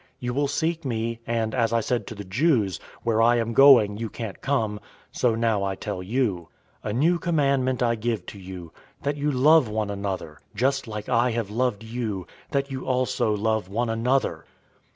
You will seek me, and as I said to the Jews, 'Where I am going, you can't come,' so now I tell you. 013:034 A new commandment I give to you, that you love one another, just like I have loved you; that you also love one another.